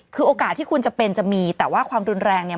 คือโอกาสที่คุณจะเป็นจะมีแต่ว่าความรุนแรงเนี่ย